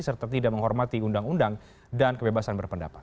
serta tidak menghormati undang undang dan kebebasan berpendapat